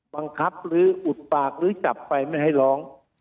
บังคับหรืออุดปากหรือจับไปไม่ให้ร้อง